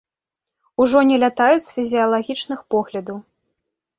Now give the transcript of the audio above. Ужо не лятаюць з фізіялагічных поглядаў.